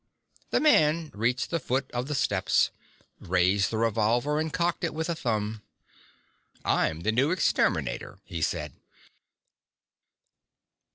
The man reached the foot of the steps, raised the revolver and cocked it with a thumb. "I'm the new exterminator," he said.